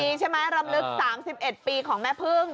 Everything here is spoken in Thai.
รำลึก๓๑ปีของแม่พึ่ง